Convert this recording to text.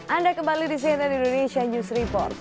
anda kembali di cnn indonesia news report